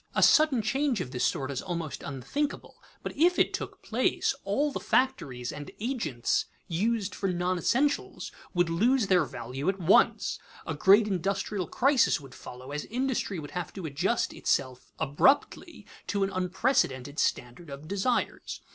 A sudden change of this sort is almost unthinkable, but if it took place, all the factories and agents used for non essentials would lose their value at once. A great industrial crisis would follow, as industry would have to adjust itself abruptly to an unprecedented standard of desires.